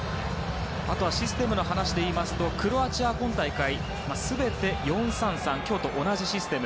あとはシステムの話で言いますとクロアチアは今大会全て４−３−３という今日と同じシステム。